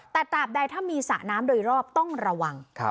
แต่ตราบใดถ้ามีสระน้ำโดยรอบต้องระวัง